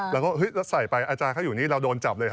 แล้วก็เราใส่ไปอาจารย์เขาอยู่นี่เราโดนจับเลยฮ